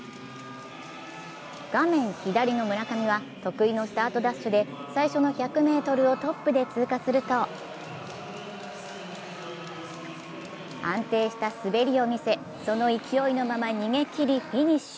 画面左の村上は得意のスタートダッシュで最初の１００ｍをトップで通過すると安定した滑りを見せその勢いのまま逃げきりフィニッシュ。